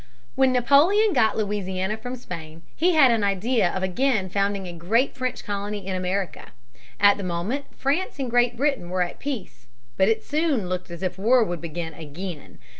When Napoleon got Louisiana from Spain, he had an idea of again founding a great French colony in America. At the moment France and Great Britain were at peace. But it soon looked as if war would begin again.